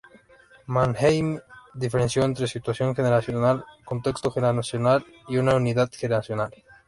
Mannheim diferenció entre situación generacional, contexto generacional y unidad generacional.